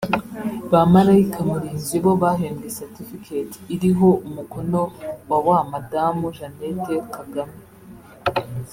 Ba Malayika Murinzi bo bahembwe Certificate iriho umukono wa wa Madamu Jeannette Kagame